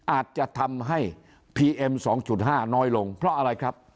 อาจจะทำให้พีเอ็ม๒๕น้อยลงเพราะอะไรครับ